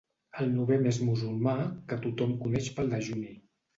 El novè mes musulmà que tothom coneix pel dejuni.